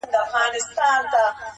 اورنګ زېب سو په ژړا ویل وېرېږم-